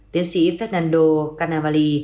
tiến sĩ fernando canavali